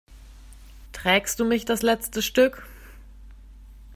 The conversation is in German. Trägst du mich das letzte Stück?